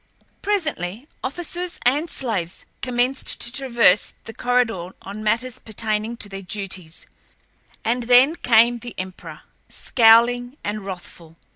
Presently officers and slaves commenced to traverse the corridor on matters pertaining to their duties, and then came the emperor, scowling and wrathful.